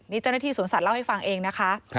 นี่เจ้าหน้าที่สวนสัตวเล่าให้ฟังเองนะคะ